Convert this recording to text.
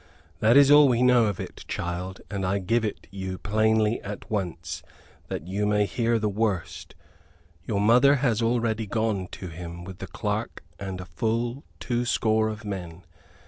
That is all we know of it, child; and I give it you plainly at once, that you may hear the worst. Your mother has already gone to him, with the clerk and a full two score of men.